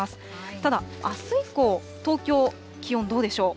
ただ、あす以降、東京、気温どうでしょう。